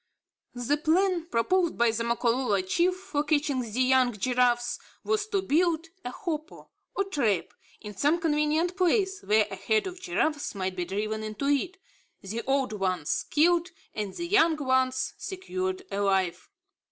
The plan proposed by the Makololo chief for catching the young giraffes, was to build a hopo or trap, in some convenient place where a herd of giraffes might be driven into it, the old ones killed and the young ones secured alive.